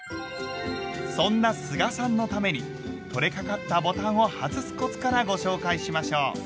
そんな須賀さんのために取れかかったボタンを外すコツからご紹介しましょう。